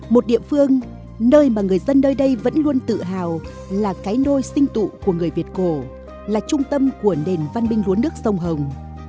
một địa phương nơi mà người dân nơi đây vẫn luôn tự hào là cái nôi sinh tụ của người việt cổ là trung tâm của nền văn minh luốn nước sông hồng